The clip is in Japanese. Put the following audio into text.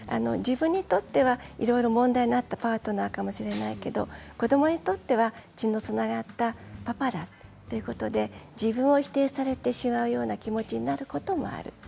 自分にとっては、いろいろ問題のあったパートナーかもしれませんけど子どもにとっては血のつながったパパだということで自分を否定されてしまうような気持ちになることもある。